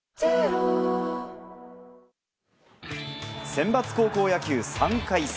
センバツ高校野球３回戦。